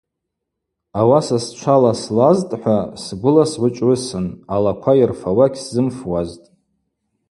Ауаса счвала слазтӏхӏва сгвыла сгӏвычӏвгӏвысын, алаква йырфауа гьсзымфуазтӏ.